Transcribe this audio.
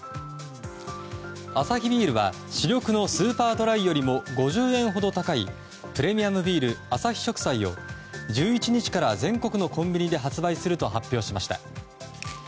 アサヒビールは主力のスーパードライよりも５０円ほど高いプレミアムビール、アサヒ食彩を１１日から全国のコンビニで発売すると発表しました。